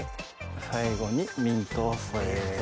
最後にミントを添えると。